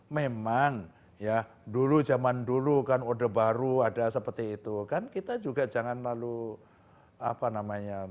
memang ya dulu zaman dulu kan odeh baru ada seperti itu kan kita juga jangan lalu apa namanya